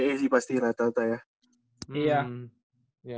di ncaa sih pasti rata rata ya